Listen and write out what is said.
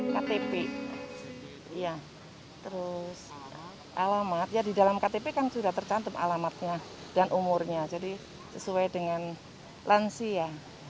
ktp ya terus alamat ya di dalam ktp kan sudah tercantum alamatnya dan umurnya jadi sesuai dengan lansia